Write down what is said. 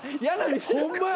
ホンマや。